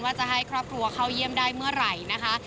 จะให้ครอบครัวเข้าเยี่ยมได้เมื่อไหร่นะคะ